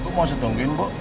gue mau setonggin bu